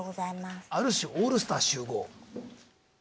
ある種オールスター集合。